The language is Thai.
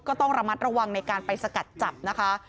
ก็ต้องระมัดระวังในการไปสกัดจับนะคะ